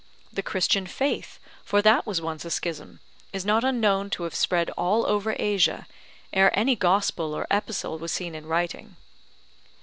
The Christian faith, for that was once a schism, is not unknown to have spread all over Asia, ere any Gospel or Epistle was seen in writing.